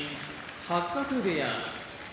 八角部屋